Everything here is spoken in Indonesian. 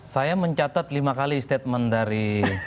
saya mencatat lima kali statement dari